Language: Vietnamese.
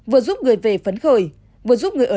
vừa giúp người về phấn khởi vừa giúp người ở